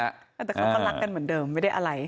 แต่เขาก็รักกันเหมือนเดิมไม่ได้อะไร